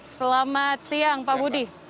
selamat siang pak budi